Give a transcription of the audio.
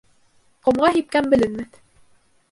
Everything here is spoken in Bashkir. Ҡомға һипкән беленмәҫ